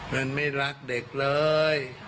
มันไม่รักเด็กเลย